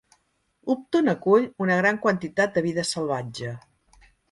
Upton acull una gran quantitat de vida salvatge.